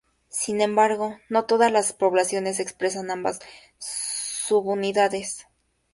Sin embargo, no todas las poblaciones expresan ambas subunidades.